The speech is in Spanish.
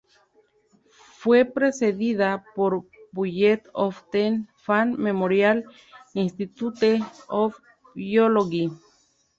Fue precedida por "Bulletin of the Fan Memorial Institute of Biology".